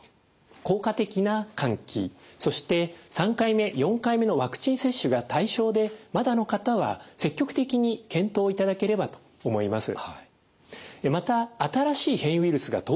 効果的な換気そして３回目４回目のワクチン接種が対象でまだの方は積極的に検討いただければと思います。